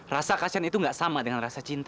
rasa kasihan itu gak sama dengan rasa cinta